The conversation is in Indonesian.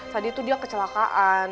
tadi tuh dia kecelakaan